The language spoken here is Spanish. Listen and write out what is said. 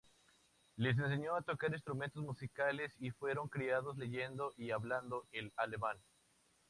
Les enseñó a tocar instrumentos musicales y fueron criados leyendo y hablando el alemán.